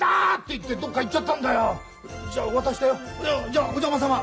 じゃあお邪魔さま。